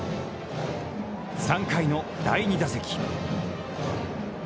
３回の第２打席。